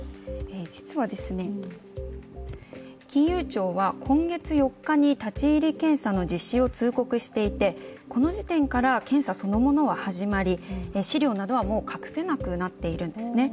実は金融庁は今月４日に立ち入り検査の実施を通告していて、この時点から検査そのものは始まり、資料などはもう隠せなくなっているんですね。